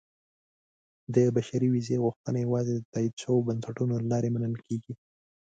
• د بشري ویزې غوښتنه یوازې د تایید شویو بنسټونو له لارې منل کېږي.